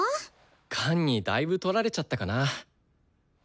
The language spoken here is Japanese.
管にだいぶ取られちゃったかな？